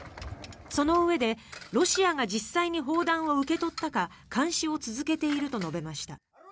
そのうえで、ロシアが実際に砲弾を受け取ったか監視を続けていると述べました。